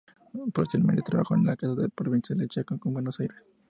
Posteriormente, trabajó en la Casa de la Provincia de Chaco en Buenos Aires.